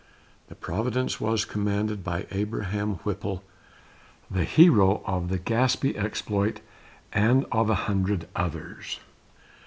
The Providence was commanded by Abraham Whipple, the hero of the Gaspee exploit and of a hundred others.